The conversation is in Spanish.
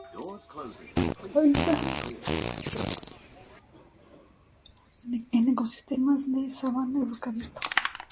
Habita en ecosistemas de sabana y bosque abierto.